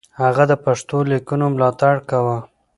هغه د پښتو ليکنو ملاتړ کاوه.